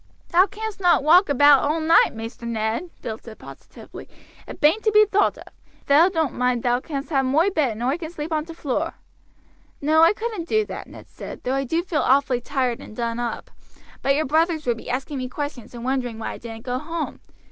"Thou canst not walk abowt all night, Maister Ned," Bill said positively; "it bain't to be thowt of. If thou don't mind thou canst have moi bed and oi can sleep on t' floor." "No, I couldn't do that," Ned said, "though I do feel awfully tired and done up; but your brothers would be asking me questions and wondering why I didn't go home.